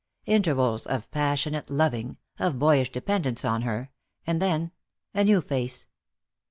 Intervals of passionate loving, of boyish dependence on her, and then a new face.